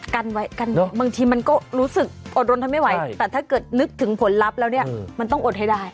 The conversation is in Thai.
กันไว้กันเนอะบางทีมันก็รู้สึกอดรนทนไม่ไหวแต่ถ้าเกิดนึกถึงผลลัพธ์แล้วเนี่ยมันต้องอดให้ได้